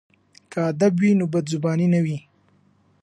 که ادب وي نو بدزباني نه وي.